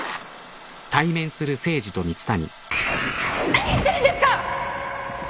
何してるんですか！？